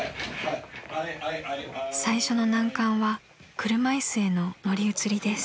［最初の難関は車椅子への乗り移りです］